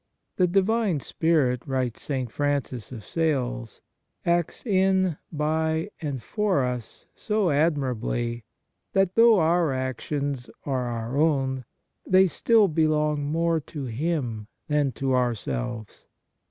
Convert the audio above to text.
" The Divine Spirit," writes St. Francis of Sales, " acts in, by, and for us so admirably that, though our actions are our own, they still belong more to Him than to ourselves.